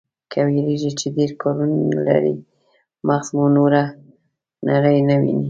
که وېرېږئ چې ډېر کارونه لرئ، مغز مو نوره نړۍ نه ويني.